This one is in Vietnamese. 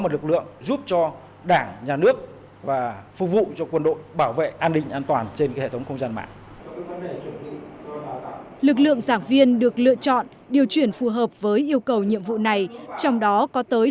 lực lượng giảng viên được lựa chọn điều chuyển phù hợp với yêu cầu nhiệm vụ này trong đó có tới